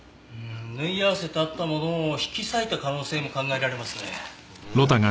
縫い合わせてあったものを引き裂いた可能性も考えられますね。